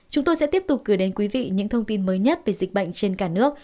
chúng tôi sẽ tiếp tục gửi đến quý vị những thông tin mới nhất về dịch bệnh trên cả nước